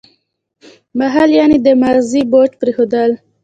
• بښل یعنې د ماضي بوج پرېښودل.